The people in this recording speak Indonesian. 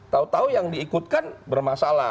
tau tau yang diikutkan bermasalah